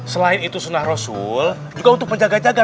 selain itu sunah rasul juga untuk penjaga jaga